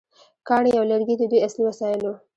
کاڼي او لرګي د دوی اصلي وسایل وو.